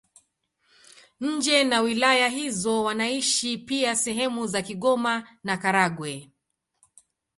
Nje na wilaya hizo wanaishi pia sehemu za Kigoma na Karagwe.